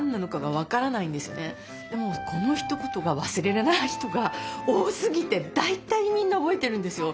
でもこのひと言が忘れられない人が多すぎて大体みんな覚えてるんですよ。